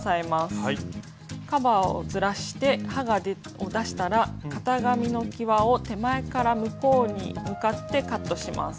カバーをずらして刃を出したら型紙のきわを手前から向こうに向かってカットします。